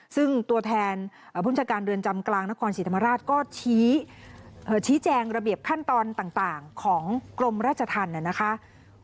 ซึ่งตัวแทนผู้บัญชาการเรือนจำกลางนครศรีธรรมราชก็ชี้แจงระเบียบขั้นตอนต่างของกรมราชธรรมนะคะ